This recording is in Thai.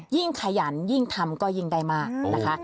ขยันยิ่งทำก็ยิ่งได้มากนะคะ